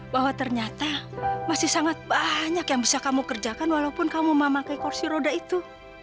bahwa ternyata masih sangat banyak yang bisa kamu kerjakan walaupun kamu memakai kursi roda itu